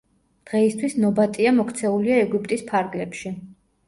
დღეისთვის ნობატია მოქცეულია ეგვიპტის ფარგლებში.